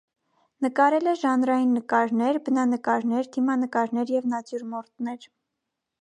Նկարել է ժանրային նկարներ, բնանկարներ, դիմանկարներ և նատյուրմորտներ։